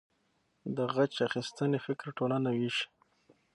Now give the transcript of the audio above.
د غچ اخیستنې فکر ټولنه ویشي.